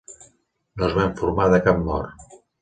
No es va informar de cap mort.